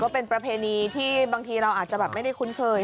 เป็นประเพณีที่บางทีเราอาจจะแบบไม่ได้คุ้นเคย